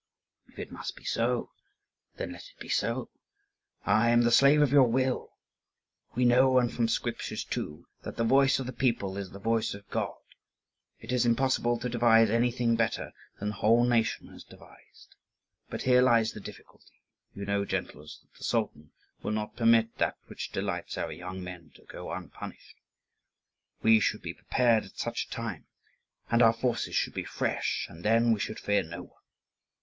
"If it must be so, then let it be so. I am the slave of your will. We know, and from Scripture too, that the voice of the people is the voice of God. It is impossible to devise anything better than the whole nation has devised. But here lies the difficulty; you know, gentles, that the Sultan will not permit that which delights our young men to go unpunished. We should be prepared at such a time, and our forces should be fresh, and then we should fear no one.